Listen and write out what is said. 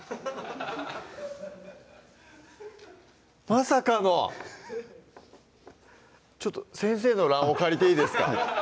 まさかのちょっと先生の卵黄借りていいですか？